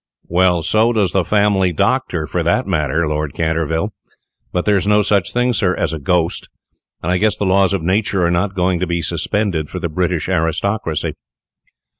"Well, so does the family doctor for that matter, Lord Canterville. But there is no such thing, sir, as a ghost, and I guess the laws of Nature are not going to be suspended for the British aristocracy."